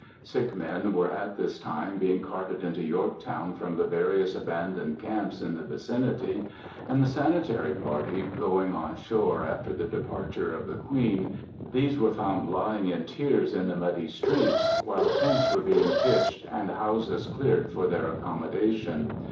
Sick men were at this time being carted into Yorktown from the various abandoned camps in the vicinity, and the Sanitary party going on shore after the departure of the Queen, these were found lying in tiers in the muddy streets, while tents were being pitched and houses cleared for their accommodation.